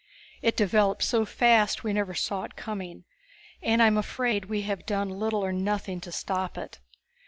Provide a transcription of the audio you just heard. It developed so fast we never saw it coming. And I'm afraid we've done little or nothing to stop it.